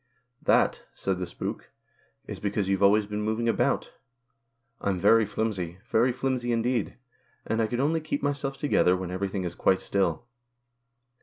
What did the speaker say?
"That," said the spook, "is because you've always been moving about. I'm very flimsy — very flimsy indeed — and I can only keep myself together when everything is quite still."